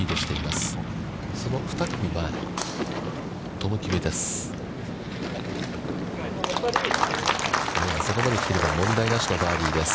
あそこまで来てれば問題なしのバーディーです。